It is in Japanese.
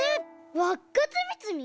わっかつみつみ！？